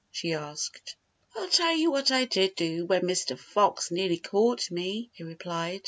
she asked. "I'll tell you what I did do when Mr. Fox nearly caught me," he replied.